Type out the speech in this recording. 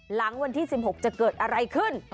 หลังวันที่๑๖จะเกิดอะไรขึ้น